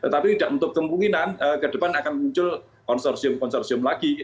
tapi tidak untuk kemungkinan ke depan akan muncul konsorsium konsorsium lagi